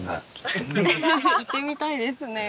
行ってみたいですね。